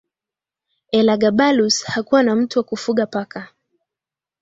Elagabalus hakuwa tu mtu wa kufuga paka